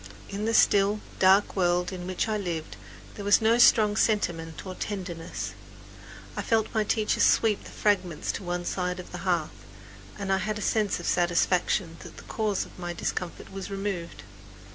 In the still, dark world in which I lived there was no strong sentiment or tenderness. I felt my teacher sweep the fragments to one side of the hearth, and I had a sense of satisfaction that the cause of my discomfort was removed.